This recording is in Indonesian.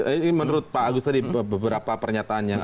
ini menurut pak agus tadi beberapa pernyataannya